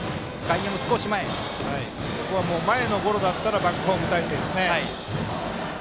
ここは前のゴロだったらバックホーム態勢ですね。